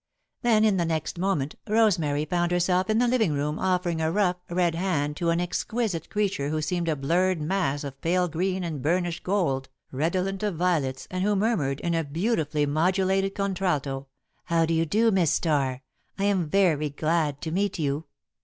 Then, in the next moment, Rosemary found herself in the living room, offering a rough, red hand to an exquisite creature who seemed a blurred mass of pale green and burnished gold, redolent of violets, and who murmured, in a beautifully modulated contralto: "How do you do, Miss Starr! I am very glad to meet you."